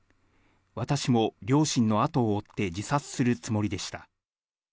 私も両親の後を追って、自殺するつもりでした。